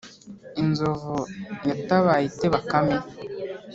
inzovu yatabaye ite bakame?